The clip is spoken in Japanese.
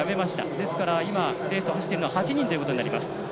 ですから今レースを走っているのは８人ということになっています。